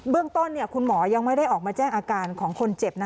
เรื่องต้นคุณหมอยังไม่ได้ออกมาแจ้งอาการของคนเจ็บ